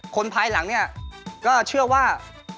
ภายหลังเนี่ยก็เชื่อว่า